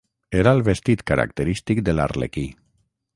Era el vestit característic de l'arlequí.